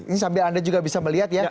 ini sambil anda juga bisa melihat ya